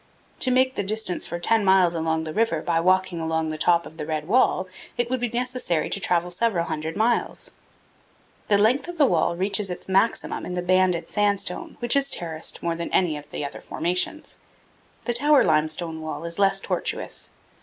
To make the distance for ten miles along the river by walking along the top of the red wall, it would be necessary to travel several hundred miles. The length of the wall reaches its maximum in the banded sandstone, which is terraced more than any of the other formations. The tower limestone wall is less tortuous.